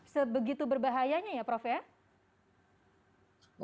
sebegitu berbahayanya ya prof ya